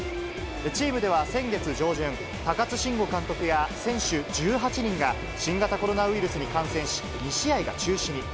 チームでは先月上旬、高津臣吾監督や選手１８人が新型コロナウイルスに感染し、２試合が中止に。